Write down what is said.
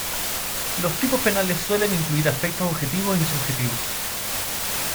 Los tipos penales suelen incluir aspectos objetivos y subjetivos.